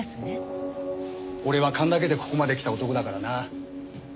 俺は勘だけでここまで来た男だからな。